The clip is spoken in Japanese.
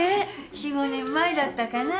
４５年前だったかな